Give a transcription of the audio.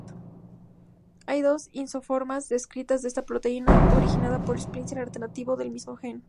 Hay dos isoformas descritas de esta proteína, originadas por splicing alternativo del mismo gen.